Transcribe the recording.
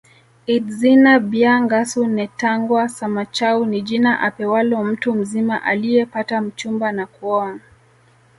Idizina bya Ngasu netangwa Samachau ni jina apewalo mtu mzima aliyepata mchumba na kuoa